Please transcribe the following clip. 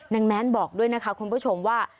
แม้นบอกด้วยนะคะคุณผู้ชมว่า